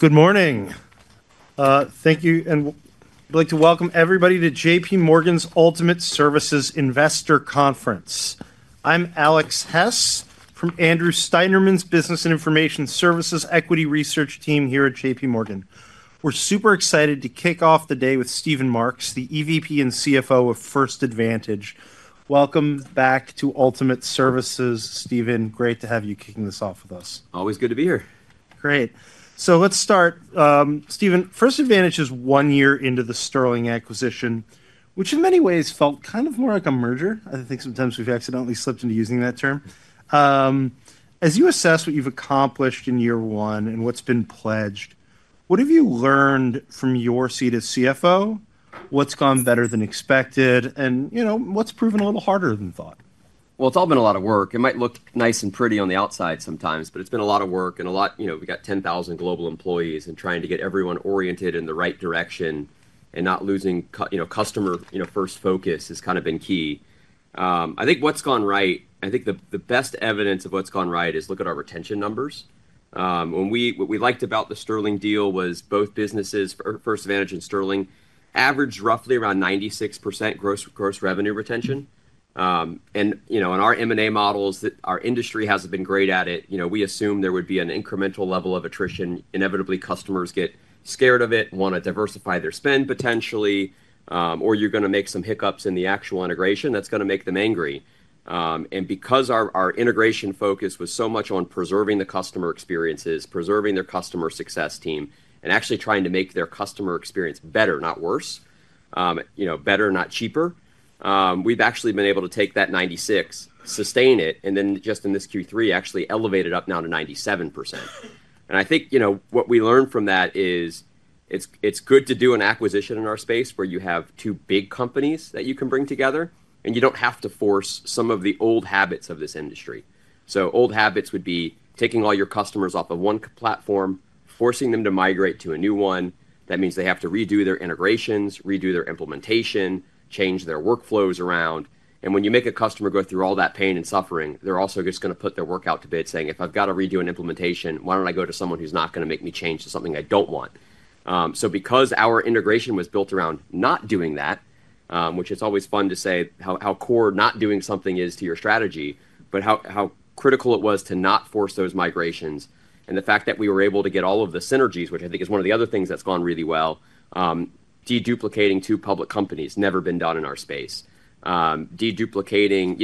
Good morning. Thank you. I'd like to welcome everybody to JPMorgan's Ultimate Services Investor Conference. I'm Alex Hess from Andrew Steinerman's Business and Information Services Equity Research Team here at JPMorgan. We're super excited to kick off the day with Steven Marks, the EVP and CFO of First Advantage. Welcome back to Ultimate Services, Stephen. Great to have you kicking this off with us. Always good to be here. Great. Let's start. Steven, First Advantage is one year into the Sterling acquisition, which in many ways felt kind of more like a merger. I think sometimes we've accidentally slipped into using that term. As you assess what you've accomplished in year one and what's been pledged, what have you learned from your seat as CFO? What's gone better than expected? What's proven a little harder than thought? It has all been a lot of work. It might look nice and pretty on the outside sometimes, but it has been a lot of work and a lot—we have got 10,000 global employees—and trying to get everyone oriented in the right direction and not losing customer-first focus has kind of been key. I think what has gone right, I think the best evidence of what has gone right is look at our retention numbers. What we liked about the Sterling deal was both businesses, First Advantage and Sterling, averaged roughly around 96% gross revenue retention. In our M&A models, our industry has not been great at it. We assume there would be an incremental level of attrition. Inevitably, customers get scared of it, want to diversify their spend potentially, or you are going to make some hiccups in the actual integration that is going to make them angry. Because our integration focus was so much on preserving the customer experiences, preserving their customer success team, and actually trying to make their customer experience better, not worse—better, not cheaper—we've actually been able to take that 96, sustain it, and then just in this Q3 actually elevate it up now to 97%. I think what we learned from that is it's good to do an acquisition in our space where you have two big companies that you can bring together, and you do not have to force some of the old habits of this industry. Old habits would be taking all your customers off of one platform, forcing them to migrate to a new one. That means they have to redo their integrations, redo their implementation, change their workflows around. When you make a customer go through all that pain and suffering, they're also just going to put their workout to bed saying, "If I've got to redo an implementation, why don't I go to someone who's not going to make me change to something I don't want?" Because our integration was built around not doing that, which it's always fun to say how core not doing something is to your strategy, but how critical it was to not force those migrations, and the fact that we were able to get all of the synergies, which I think is one of the other things that's gone really well, deduplicating two public companies—never been done in our space—deduplicating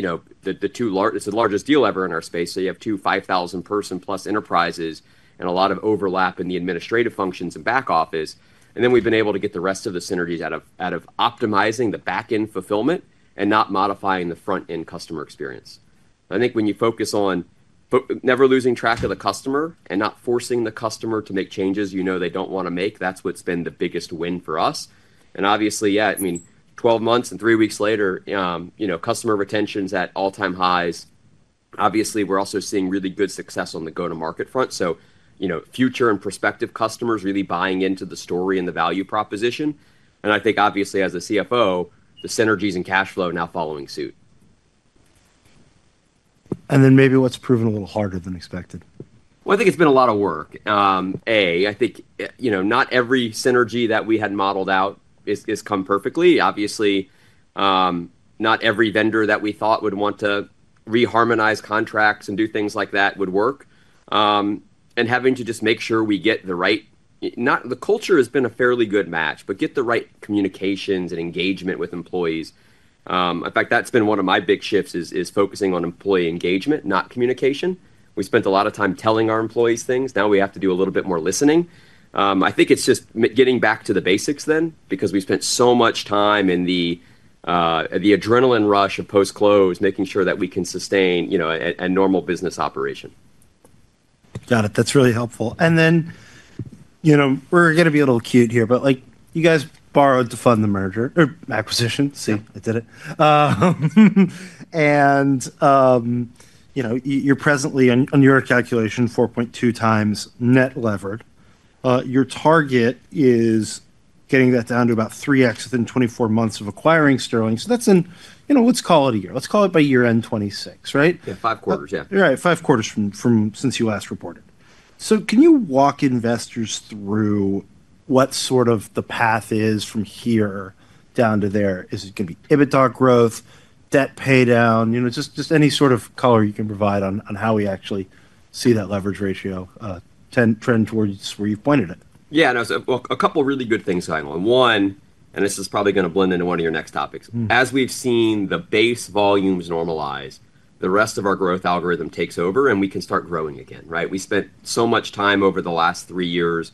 the two largest—it's the largest deal ever in our space. You have two 5,000-person-plus enterprises and a lot of overlap in the administrative functions and back office. We have been able to get the rest of the synergies out of optimizing the back-end fulfillment and not modifying the front-end customer experience. I think when you focus on never losing track of the customer and not forcing the customer to make changes you know they do not want to make, that is what has been the biggest win for us. Obviously, yeah, I mean, 12 months and three weeks later, customer retention is at all-time highs. Obviously, we are also seeing really good success on the go-to-market front. Future and prospective customers are really buying into the story and the value proposition. I think, obviously, as CFO, the synergies and cash flow are now following suit. Maybe what's proven a little harder than expected? I think it's been a lot of work. I think not every synergy that we had modeled out has come perfectly. Obviously, not every vendor that we thought would want to reharmonize contracts and do things like that would work. Having to just make sure we get the right—the culture has been a fairly good match—but get the right communications and engagement with employees. In fact, that's been one of my big shifts is focusing on employee engagement, not communication. We spent a lot of time telling our employees things. Now we have to do a little bit more listening. I think it's just getting back to the basics then because we spent so much time in the adrenaline rush of post-close, making sure that we can sustain a normal business operation. Got it. That's really helpful. We're going to be a little cute here, but you guys borrowed to fund the merger or acquisition. See, I did it. You're presently, on your calculation, 4.2 times net levered. Your target is getting that down to about 3X within 24 months of acquiring Sterling. That's in—let's call it a year. Let's call it by year-end 2026, right? Yeah, five quarters, yeah. Right, five quarters since you last reported. Can you walk investors through what sort of the path is from here down to there? Is it going to be pivot to growth, debt paydown, just any sort of color you can provide on how we actually see that leverage ratio trend towards where you've pointed it? Yeah. And a couple of really good things, Simon. One, and this is probably going to blend into one of your next topics. As we've seen the base volumes normalize, the rest of our growth algorithm takes over, and we can start growing again, right? We spent so much time over the last three years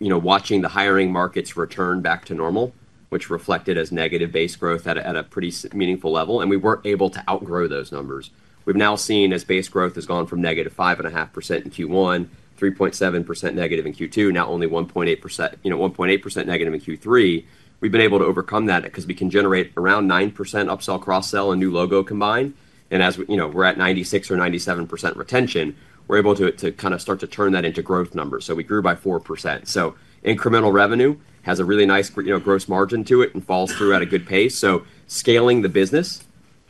watching the hiring markets return back to normal, which reflected as negative base growth at a pretty meaningful level. We were not able to outgrow those numbers. We've now seen, as base growth has gone from negative 5.5% in Q1, 3.7% negative in Q2, now only 1.8% negative in Q3. We've been able to overcome that because we can generate around 9% upsell, cross-sell, and new logo combined. As we're at 96% or 97% retention, we're able to kind of start to turn that into growth numbers. We grew by 4%. Incremental revenue has a really nice gross margin to it and falls through at a good pace. Scaling the business,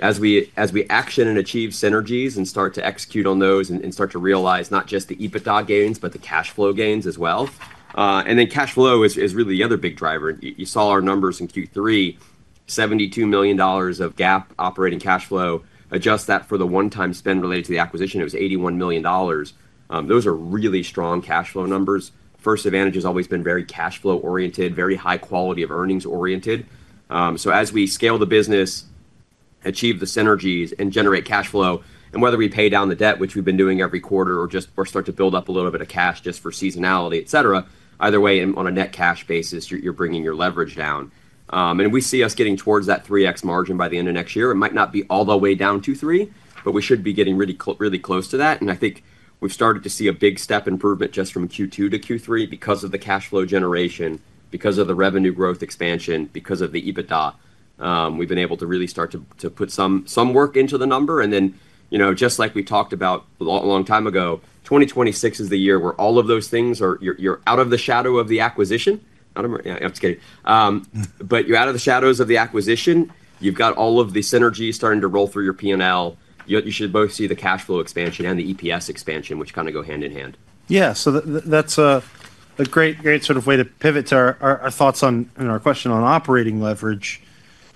as we action and achieve synergies and start to execute on those and start to realize not just the EBITDA gains, but the cash flow gains as well. Cash flow is really the other big driver. You saw our numbers in Q3: $72 million of GAAP operating cash flow. Adjust that for the one-time spend related to the acquisition. It was $81 million. Those are really strong cash flow numbers. First Advantage has always been very cash flow-oriented, very high quality of earnings-oriented. As we scale the business, achieve the synergies, and generate cash flow, and whether we pay down the debt, which we've been doing every quarter, or start to build up a little bit of cash just for seasonality, etc., either way, on a net cash basis, you're bringing your leverage down. We see us getting towards that 3X margin by the end of next year. It might not be all the way down to Q3, but we should be getting really close to that. I think we've started to see a big step improvement just from Q2-Q3 because of the cash flow generation, because of the revenue growth expansion, because of the EBITDA. We've been able to really start to put some work into the number. Just like we talked about a long time ago, 2026 is the year where all of those things are—you are out of the shadow of the acquisition. I'm just kidding. You are out of the shadows of the acquisition. You have got all of the synergies starting to roll through your P&L. You should both see the cash flow expansion and the EPS expansion, which kind of go hand in hand. Yeah. That's a great sort of way to pivot to our thoughts on our question on operating leverage.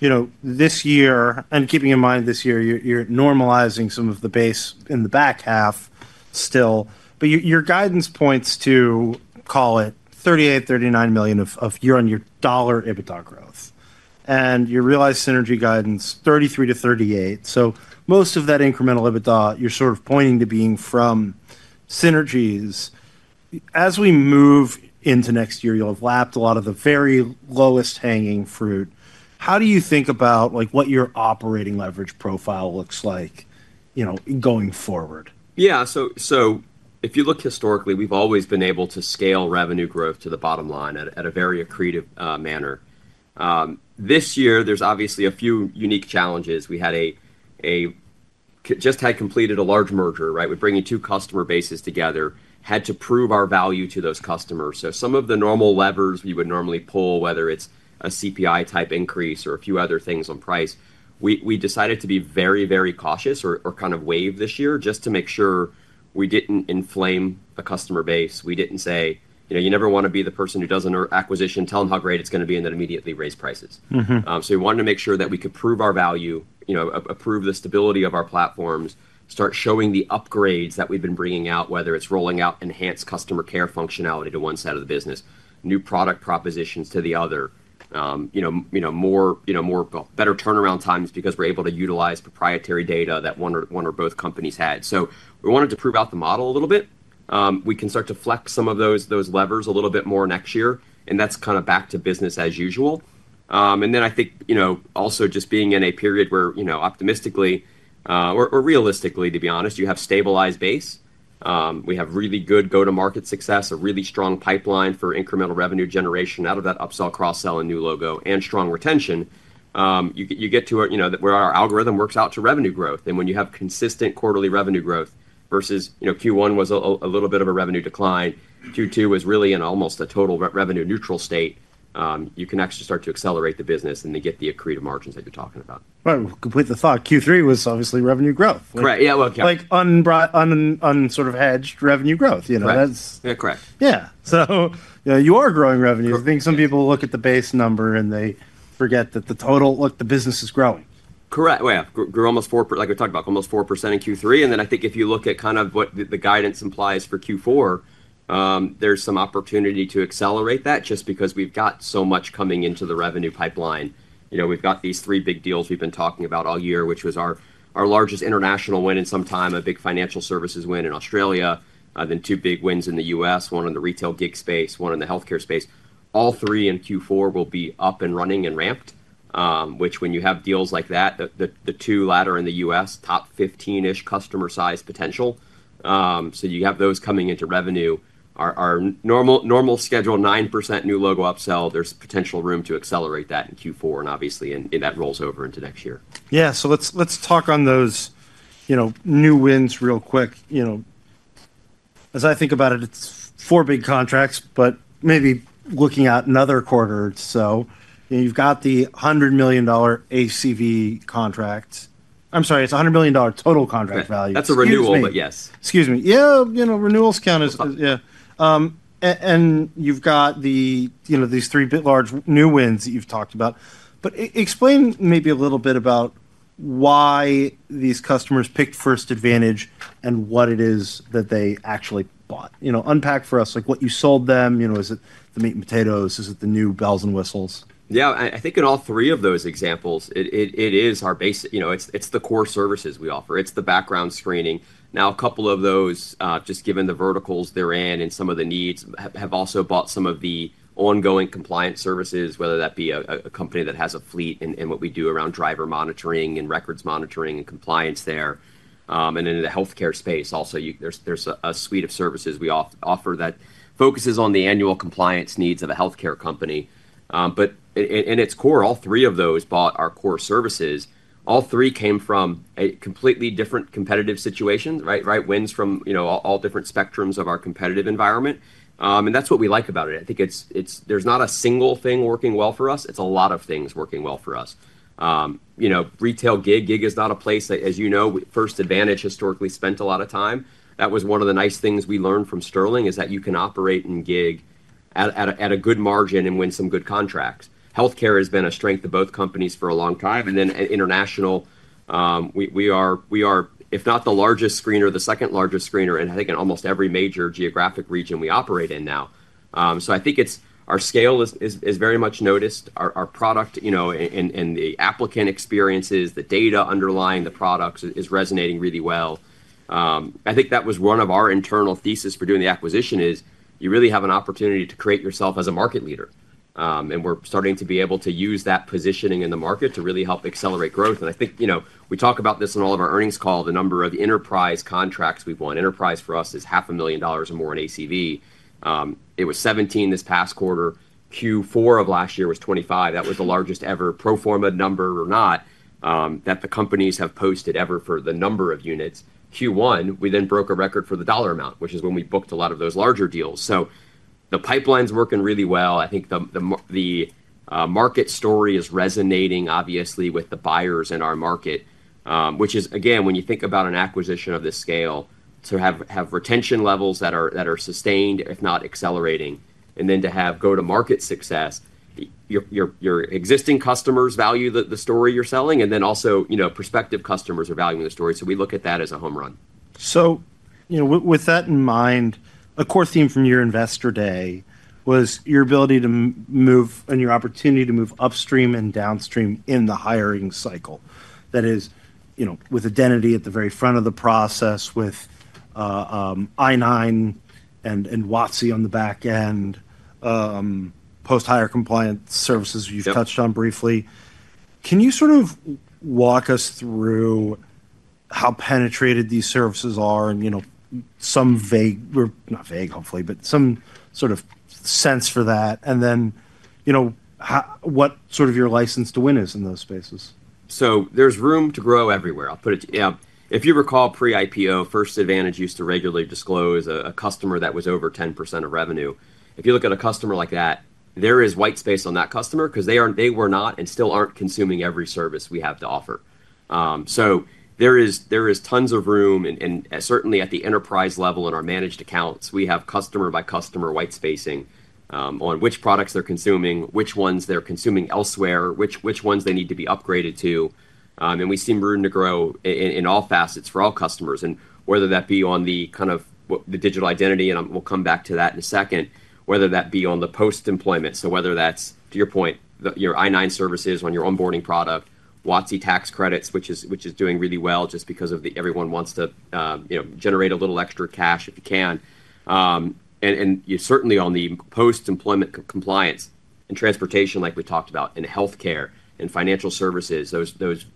This year, and keeping in mind this year, you're normalizing some of the base in the back half still. Your guidance points to, call it, $38 million-$39 million of year-on-year dollar EBITDA growth. Your realized synergy guidance, $33 million-$38 million. Most of that incremental EBITDA, you're sort of pointing to being from synergies. As we move into next year, you'll have lapped a lot of the very lowest hanging fruit. How do you think about what your operating leverage profile looks like going forward? Yeah. If you look historically, we've always been able to scale revenue growth to the bottom line in a very accretive manner. This year, there's obviously a few unique challenges. We just had completed a large merger, right? We're bringing two customer bases together, had to prove our value to those customers. Some of the normal levers we would normally pull, whether it's a CPI-type increase or a few other things on price, we decided to be very, very cautious or kind of waive this year just to make sure we didn't inflame a customer base. We didn't say, "You never want to be the person who does an acquisition. Tell them how great it's going to be and then immediately raise prices. We wanted to make sure that we could prove our value, prove the stability of our platforms, start showing the upgrades that we've been bringing out, whether it's rolling out enhanced customer care functionality to one side of the business, new product propositions to the other, better turnaround times because we're able to utilize proprietary data that one or both companies had. We wanted to prove out the model a little bit. We can start to flex some of those levers a little bit more next year. That is kind of back to business as usual. I think also just being in a period where optimistically or realistically, to be honest, you have stabilized base. We have really good go-to-market success, a really strong pipeline for incremental revenue generation out of that upsell, cross-sell, and new logo, and strong retention. You get to where our algorithm works out to revenue growth. When you have consistent quarterly revenue growth versus Q1 was a little bit of a revenue decline, Q2 was really in almost a total revenue-neutral state, you can actually start to accelerate the business and then get the accretive margins that you're talking about. Right. Complete the thought. Q3 was obviously revenue growth. Correct. Yeah. um, sort of hedged revenue growth. Correct. Yeah. So you are growing revenue. I think some people look at the base number and they forget that the business is growing. Correct. We're almost 4%, like we talked about, almost 4% in Q3. I think if you look at kind of what the guidance implies for Q4, there's some opportunity to accelerate that just because we've got so much coming into the revenue pipeline. We've got these three big deals we've been talking about all year, which was our largest international win in some time, a big financial services win in Australia, then two big wins in the U.S., one in the retail gig space, one in the healthcare space. All three in Q4 will be up and running and ramped, which, when you have deals like that, the two latter in the U.S., top 15-ish customer-sized potential. You have those coming into revenue. Our normal schedule, 9% new logo upsell, there's potential room to accelerate that in Q4, and obviously, that rolls over into next year. Yeah. So let's talk on those new wins real quick. As I think about it, it's four big contracts, but maybe looking at another quarter. So you've got the $100 million ACV contract. I'm sorry, it's $100 million total contract value. That's a renewal, but yes. Excuse me. Yeah, renewals count is, yeah. You have these three large new wins that you've talked about. Explain maybe a little bit about why these customers picked First Advantage and what it is that they actually bought. Unpack for us what you sold them. Is it the meat and potatoes? Is it the new bells and whistles? Yeah. I think in all three of those examples, it is our base. It's the core services we offer. It's the background screening. Now, a couple of those, just given the verticals they're in and some of the needs, have also bought some of the ongoing compliance services, whether that be a company that has a fleet and what we do around driver monitoring and records monitoring and compliance there. In the healthcare space, also, there's a suite of services we offer that focuses on the annual compliance needs of a healthcare company. In its core, all three of those bought our core services. All three came from completely different competitive situations, right? Wins from all different spectrums of our competitive environment. That's what we like about it. I think there's not a single thing working well for us. It's a lot of things working well for us. Retail gig, gig is not a place. As you know, First Advantage historically spent a lot of time. That was one of the nice things we learned from Sterling is that you can operate in gig at a good margin and win some good contracts. Healthcare has been a strength of both companies for a long time. International, we are, if not the largest screener, the second largest screener in, I think, in almost every major geographic region we operate in now. I think our scale is very much noticed. Our product and the applicant experiences, the data underlying the products is resonating really well. I think that was one of our internal theses for doing the acquisition is you really have an opportunity to create yourself as a market leader. We're starting to be able to use that positioning in the market to really help accelerate growth. I think we talk about this in all of our earnings call, the number of enterprise contracts we've won. Enterprise for us is $500,000 or more in ACV. It was 17 this past quarter. Q4 of last year was 25. That was the largest ever pro forma number or not that the companies have posted ever for the number of units. Q1, we then broke a record for the dollar amount, which is when we booked a lot of those larger deals. The pipeline's working really well. I think the market story is resonating, obviously, with the buyers in our market, which is, again, when you think about an acquisition of this scale, to have retention levels that are sustained, if not accelerating, and then to have go-to-market success, your existing customers value the story you're selling, and then also prospective customers are valuing the story. We look at that as a home run. With that in mind, a core theme from your investor day was your ability to move and your opportunity to move upstream and downstream in the hiring cycle. That is, with Identity at the very front of the process, with I-9 and WOTC on the back end, post-hire compliance services you've touched on briefly. Can you sort of walk us through how penetrated these services are and some vague, not vague, hopefully, but some sort of sense for that? And then what sort of your license to win is in those spaces? There's room to grow everywhere. I'll put it, yeah. If you recall pre-IPO, First Advantage used to regularly disclose a customer that was over 10% of revenue. If you look at a customer like that, there is white space on that customer because they were not and still aren't consuming every service we have to offer. There is tons of room. Certainly at the enterprise level in our managed accounts, we have customer-by-customer white spacing on which products they're consuming, which ones they're consuming elsewhere, which ones they need to be upgraded to. We see room to grow in all facets for all customers, whether that be on the kind of the digital identity, and we'll come back to that in a second, whether that be on the post-employment. Whether that's, to your point, your I-9 services on your onboarding product, WOTC tax credits, which is doing really well just because everyone wants to generate a little extra cash if you can. Certainly on the post-employment compliance and transportation, like we talked about, and healthcare and financial services, those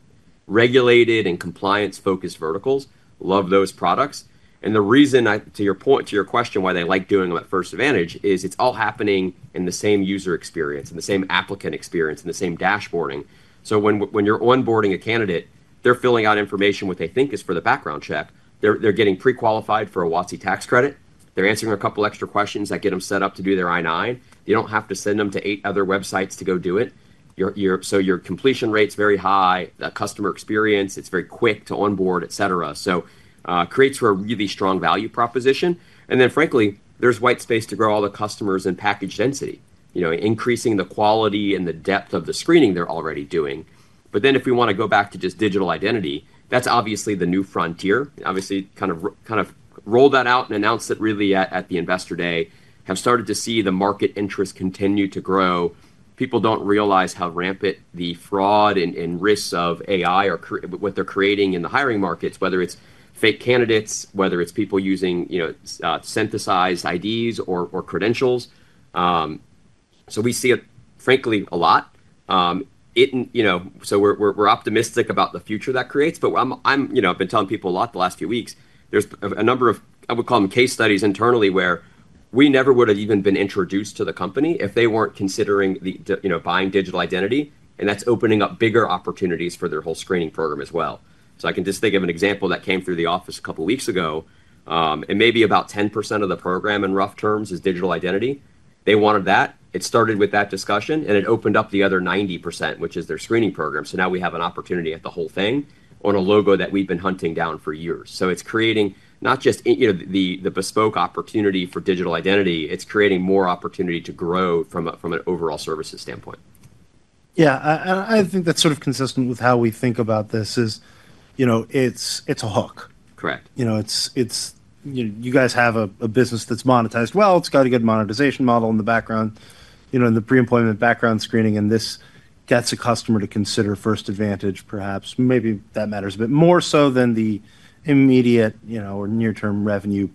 regulated and compliance-focused verticals love those products. The reason, to your question, why they like doing it at First Advantage is it's all happening in the same user experience, in the same applicant experience, in the same dashboarding. When you're onboarding a candidate, they're filling out information what they think is for the background check. They're getting pre-qualified for a WOTC tax credit. They're answering a couple of extra questions that get them set up to do their I-9. You don't have to send them to eight other websites to go do it. Your completion rate's very high. The customer experience, it's very quick to onboard, etc. It creates for a really strong value proposition. Frankly, there's white space to grow all the customers and package density, increasing the quality and the depth of the screening they're already doing. If we want to go back to just digital identity, that's obviously the new frontier. Obviously, kind of rolled that out and announced it really at the investor day, have started to see the market interest continue to grow. People don't realize how rampant the fraud and risks of AI are, what they're creating in the hiring markets, whether it's fake candidates, whether it's people using synthesized IDs or credentials. We see it, frankly, a lot. We're optimistic about the future that creates. I've been telling people a lot the last few weeks. are a number of, I would call them case studies internally, where we never would have even been introduced to the company if they were not considering buying digital identity. That is opening up bigger opportunities for their whole screening program as well. I can just think of an example that came through the office a couple of weeks ago. Maybe about 10% of the program in rough terms is digital identity. They wanted that. It started with that discussion, and it opened up the other 90%, which is their screening program. Now we have an opportunity at the whole thing on a logo that we have been hunting down for years. It is creating not just the bespoke opportunity for digital identity. It is creating more opportunity to grow from an overall services standpoint. Yeah. I think that's sort of consistent with how we think about this is it's a hook. Correct. You guys have a business that's monetized. It's got a good monetization model in the background, in the pre-employment background screening. This gets a customer to consider First Advantage, perhaps. Maybe that matters a bit more so than the immediate or near-term revenue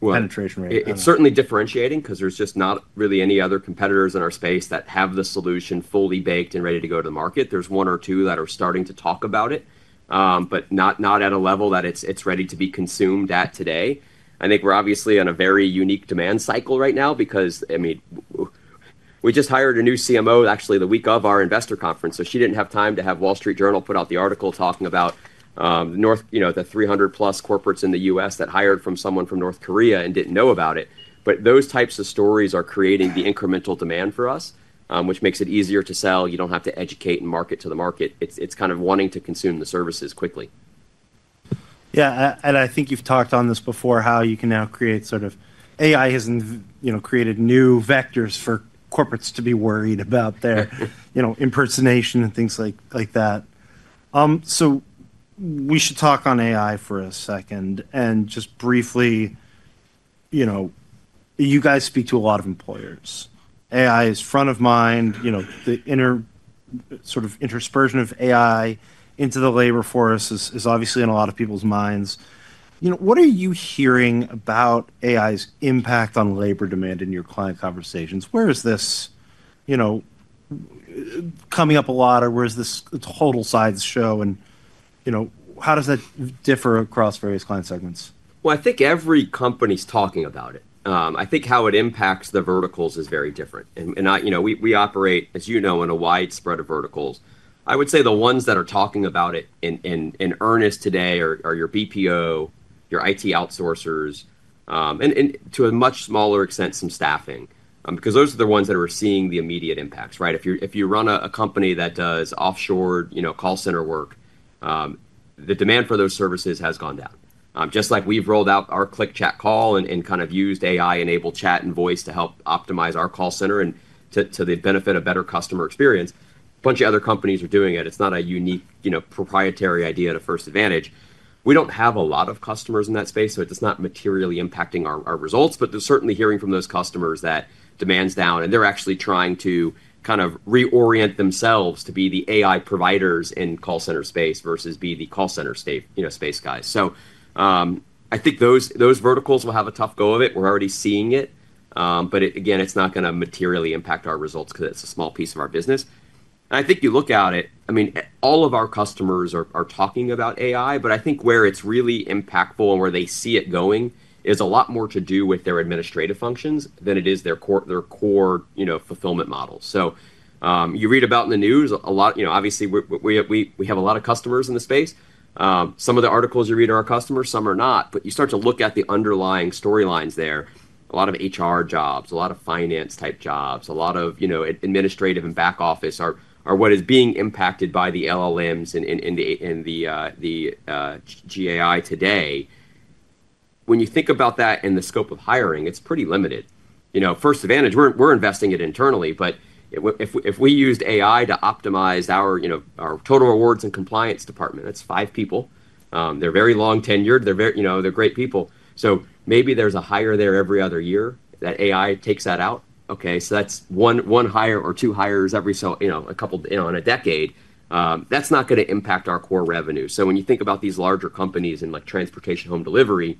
penetration rate. It's certainly differentiating because there's just not really any other competitors in our space that have the solution fully baked and ready to go to the market. There's one or two that are starting to talk about it, but not at a level that it's ready to be consumed at today. I think we're obviously on a very unique demand cycle right now because, I mean, we just hired a new CMO actually the week of our investor conference. She didn't have time to have Wall Street Journal put out the article talking about the 300-plu corporates in the US that hired from someone from North Korea and didn't know about it. Those types of stories are creating the incremental demand for us, which makes it easier to sell. You don't have to educate and market to the market. It's kind of wanting to consume the services quickly. Yeah. I think you've talked on this before how you can now create, sort of, AI has created new vectors for corporates to be worried about their impersonation and things like that. We should talk on AI for a second. Just briefly, you guys speak to a lot of employers. AI is front of mind. The sort of interspersion of AI into the labor force is obviously in a lot of people's minds. What are you hearing about AI's impact on labor demand in your client conversations? Where is this coming up a lot, or where is this total side show? How does that differ across various client segments? I think every company's talking about it. I think how it impacts the verticals is very different. We operate, as you know, in a wide spread of verticals. I would say the ones that are talking about it in earnest today are your BPO, your IT outsourcers, and to a much smaller extent, some staffing because those are the ones that are seeing the immediate impacts, right? If you run a company that does offshore call center work, the demand for those services has gone down. Just like we've rolled out our click chat call and kind of used AI-enabled chat and voice to help optimize our call center and to the benefit of better customer experience, a bunch of other companies are doing it. It's not a unique proprietary idea to First Advantage. We don't have a lot of customers in that space, so it's not materially impacting our results. We're certainly hearing from those customers that demand's down, and they're actually trying to kind of reorient themselves to be the AI providers in call center space versus be the call center space guys. I think those verticals will have a tough go of it. We're already seeing it. Again, it's not going to materially impact our results because it's a small piece of our business. I think you look at it, I mean, all of our customers are talking about AI, but I think where it's really impactful and where they see it going is a lot more to do with their administrative functions than it is their core fulfillment model. You read about in the news, obviously, we have a lot of customers in the space. Some of the articles you read are our customers. Some are not. You start to look at the underlying storylines there. A lot of HR jobs, a lot of finance-type jobs, a lot of administrative and back office are what is being impacted by the LLMs and the GAI today. When you think about that and the scope of hiring, it's pretty limited. First Advantage, we're investing it internally. If we used AI to optimize our total awards and compliance department, that's five people. They're very long tenured. They're great people. Maybe there's a hire there every other year that AI takes that out. Okay. That's one hire or two hires every so a couple of on a decade. That's not going to impact our core revenue. When you think about these larger companies in transportation, home delivery,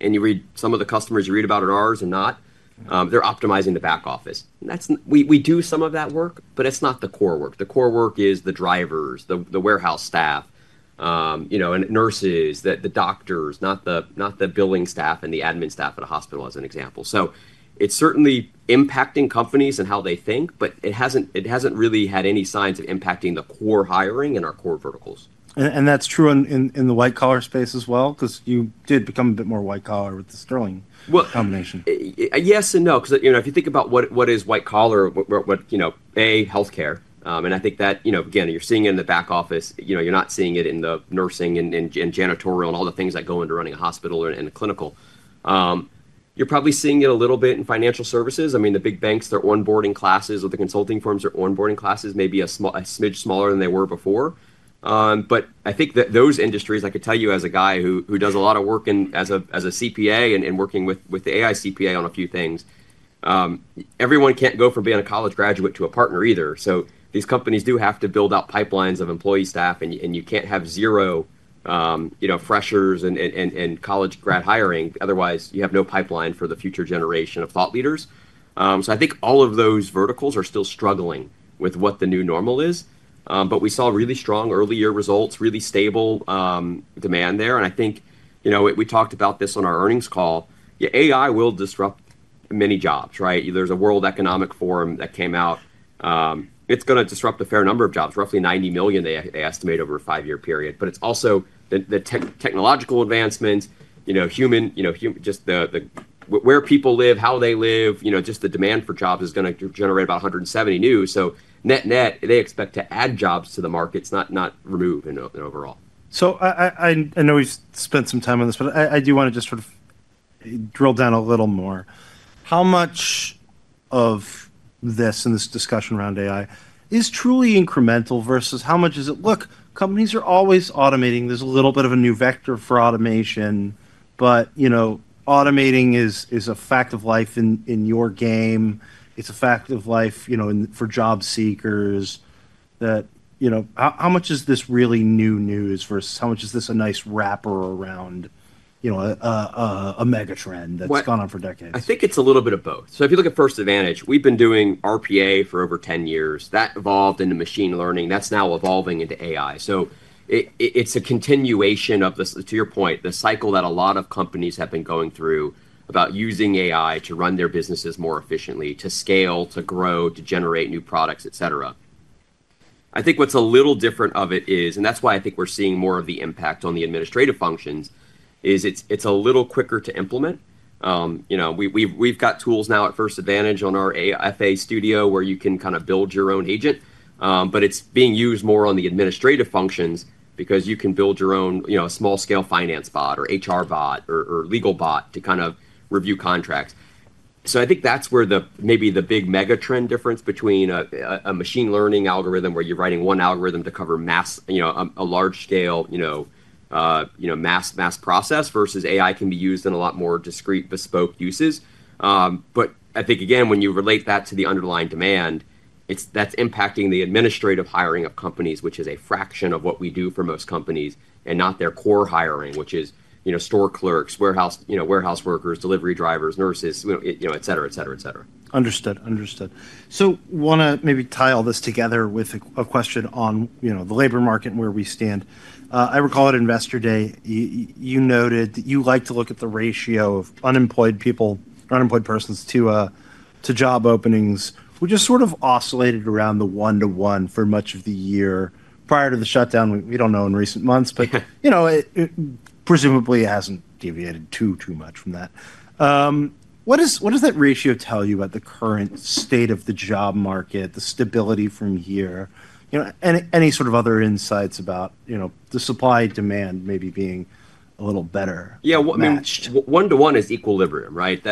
and you read some of the customers you read about in ours and not, they're optimizing the back office. We do some of that work, but it's not the core work. The core work is the drivers, the warehouse staff, nurses, the doctors, not the billing staff and the admin staff at a hospital as an example. It is certainly impacting companies and how they think, but it hasn't really had any signs of impacting the core hiring in our core verticals. That is true in the white-collar space as well because you did become a bit more white-collar with the Sterling combination. Yes and no because if you think about what is white-collar, a, healthcare. I think that, again, you're seeing it in the back office. You're not seeing it in the nursing and janitorial and all the things that go into running a hospital and clinical. You're probably seeing it a little bit in financial services. I mean, the big banks, their onboarding classes or the consulting firms are onboarding classes, maybe a smidge smaller than they were before. I think that those industries, I could tell you as a guy who does a lot of work as a CPA and working with the AICPA on a few things, everyone can't go from being a college graduate to a partner either. These companies do have to build out pipelines of employee staff, and you can't have zero freshers and college grad hiring. Otherwise, you have no pipeline for the future generation of thought leaders. I think all of those verticals are still struggling with what the new normal is. We saw really strong early year results, really stable demand there. I think we talked about this on our earnings call. AI will disrupt many jobs, right? There is a World Economic Forum that came out. It's going to disrupt a fair number of jobs, roughly 90 million, they estimate over a five-year period. It's also the technological advancements, just where people live, how they live, just the demand for jobs is going to generate about 170 million new. Net net, they expect to add jobs to the markets, not remove in overall. I know we spent some time on this, but I do want to just sort of drill down a little more. How much of this and this discussion around AI is truly incremental versus how much is it, "Look, companies are always automating. There's a little bit of a new vector for automation. But automating is a fact of life in your game. It's a fact of life for job seekers." How much is this really new news versus how much is this a nice wrapper around a megatrend that's gone on for decades? I think it's a little bit of both. If you look at First Advantage, we've been doing RPA for over 10 years. That evolved into machine learning. That's now evolving into AI. It's a continuation of, to your point, the cycle that a lot of companies have been going through about using AI to run their businesses more efficiently, to scale, to grow, to generate new products, etc. I think what's a little different of it is, and that's why I think we're seeing more of the impact on the administrative functions, it's a little quicker to implement. We've got tools now at First Advantage on our FA Studio where you can kind of build your own agent. It's being used more on the administrative functions because you can build your own small-scale finance bot or HR bot or legal bot to kind of review contracts. I think that's where maybe the big megatrend difference between a machine learning algorithm where you're writing one algorithm to cover a large-scale mass process versus AI can be used in a lot more discreet bespoke uses. I think, again, when you relate that to the underlying demand, that's impacting the administrative hiring of companies, which is a fraction of what we do for most companies and not their core hiring, which is store clerks, warehouse workers, delivery drivers, nurses, etc., etc., etc. Understood. Understood. I want to maybe tie all this together with a question on the labor market and where we stand. I recall at investor day, you noted that you like to look at the ratio of unemployed people, unemployed persons to job openings, which has sort of oscillated around the one-to-one for much of the year prior to the shutdown. We do not know in recent months, but presumably it has not deviated too, too much from that. What does that ratio tell you about the current state of the job market, the stability from here, and any sort of other insights about the supply demand maybe being a little better? Yeah. I mean, one-to-one is equilibrium, right?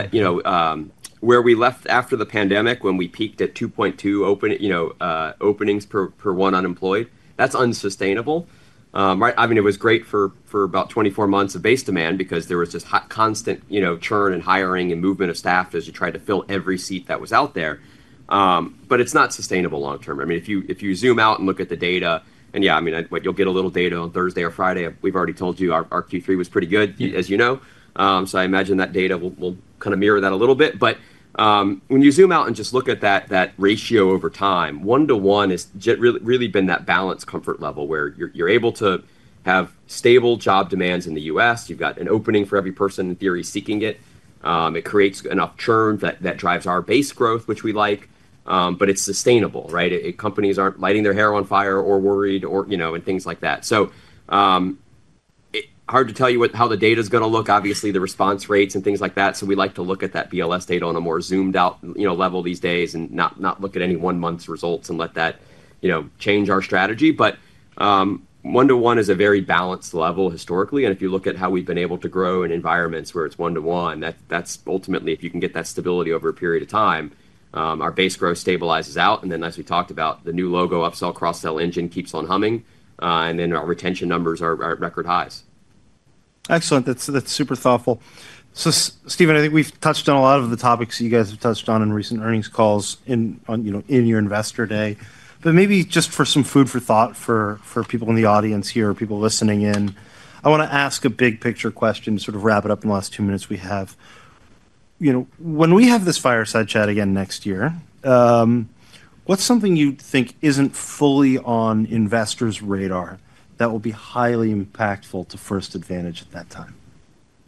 Where we left after the pandemic when we peaked at 2.2 openings per one unemployed, that's unsustainable. I mean, it was great for about 24 months of base demand because there was this constant churn and hiring and movement of staff as you tried to fill every seat that was out there. It is not sustainable long-term. I mean, if you zoom out and look at the data, and yeah, I mean, you'll get a little data on Thursday or Friday. We've already told you our Q3 was pretty good, as you know. I imagine that data will kind of mirror that a little bit. When you zoom out and just look at that ratio over time, one-to-one has really been that balanced comfort level where you're able to have stable job demands in the U.S. You've got an opening for every person in theory seeking it. It creates enough churn that drives our base growth, which we like. It is sustainable, right? Companies aren't lighting their hair on fire or worried and things like that. It is hard to tell you how the data is going to look, obviously, the response rates and things like that. We like to look at that BLS data on a more zoomed-out level these days and not look at any one-month results and let that change our strategy. One-to-one is a very balanced level historically. If you look at how we've been able to grow in environments where it is one-to-one, that is ultimately, if you can get that stability over a period of time, our base growth stabilizes out. Then, as we talked about, the new logo upsell, cross-sell engine keeps on humming. Our retention numbers are at record highs. Excellent. That's super thoughtful. Steven, I think we've touched on a lot of the topics you guys have touched on in recent earnings calls and your investor day. Maybe just for some food for thought for people in the audience here, people listening in, I want to ask a big picture question to sort of wrap it up in the last two minutes we have. When we have this fireside chat again next year, what's something you think isn't fully on investors' radar that will be highly impactful to First Advantage at that time?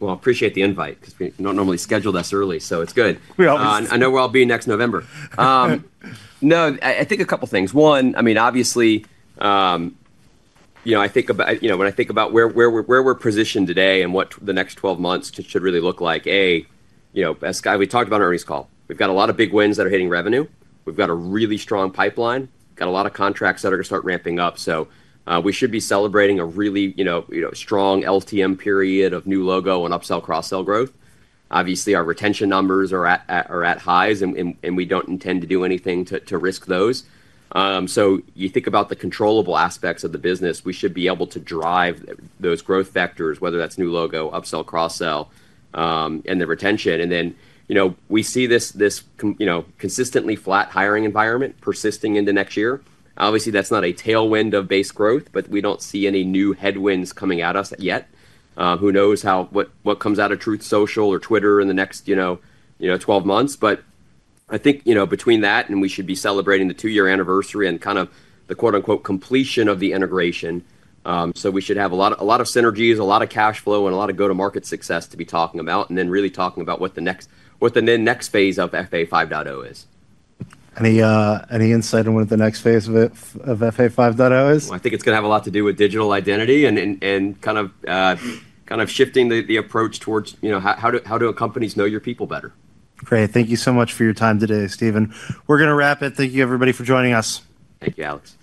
I appreciate the invite because we're not normally scheduled as early, so it's good. I know we'll all be next November. No, I think a couple of things. One, I mean, obviously, I think when I think about where we're positioned today and what the next 12 months should really look like, A, as we talked about in earnings call, we've got a lot of big wins that are hitting revenue. We've got a really strong pipeline. We've got a lot of contracts that are going to start ramping up. We should be celebrating a really strong LTM period of new logo and upsell, cross-sell growth. Obviously, our retention numbers are at highs, and we don't intend to do anything to risk those. You think about the controllable aspects of the business. We should be able to drive those growth vectors, whether that's new logo, upsell, cross-sell, and the retention. We see this consistently flat hiring environment persisting into next year. Obviously, that's not a tailwind of base growth, but we do not see any new headwinds coming at us yet. Who knows what comes out of Truth Social or Twitter in the next 12 months. I think between that, and we should be celebrating the two-year anniversary and kind of the quote-unquote completion of the integration. We should have a lot of synergies, a lot of cash flow, and a lot of go-to-market success to be talking about, and then really talking about what the next phase of FA 5.0 is. Any insight on what the next phase of FA 5.0 is? I think it's going to have a lot to do with digital identity and kind of shifting the approach towards how do companies know your people better. Great. Thank you so much for your time today, Steven. We're going to wrap it. Thank you, everybody, for joining us. Thank you, Alex.